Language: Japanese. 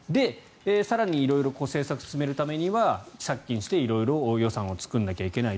更に色々政策を進めるためには借金して色々予算を作んなきゃいけない。